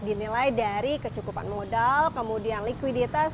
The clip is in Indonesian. dinilai dari kecukupan modal kemudian likuiditas